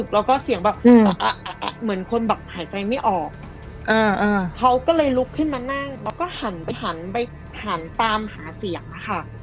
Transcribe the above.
แล้วก็เสียงแบบเหมือนคนแบบหายใจไม่ออกเขาก็เลยลุกขึ้นมานั่งแล้วก็หันไปหันไปหันตามหาเสียงอะค่ะ